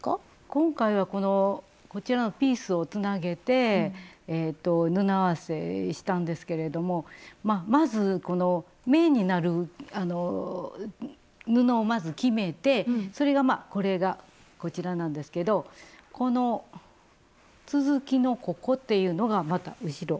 今回はこのこちらのピースをつなげて布合わせしたんですけれどもまあまずこのメインになる布をまず決めてそれがこれがこちらなんですけどこの続きのここっていうのがまた後ろ。